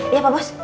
iya pak bos